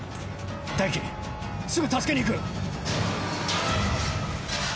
大樹すぐ助けに行く！